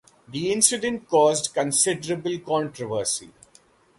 The incident caused considerable controversy.